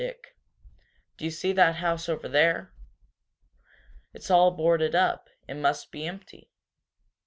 Dick, do you see that house over there? It's all boarded up it must be empty."